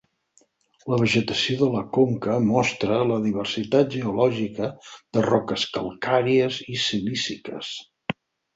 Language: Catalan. La vegetació de la conca mostra la diversitat geològica de roques calcàries i silíciques.